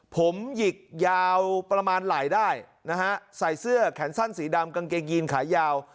ผมหยิกยาวประมาณไหลได้นะฮะใส่เสื้อแขนสั้นสีดำกางเกงยีนขายาว